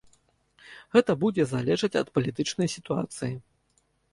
Гэта будзе залежаць ад палітычнай сітуацыі.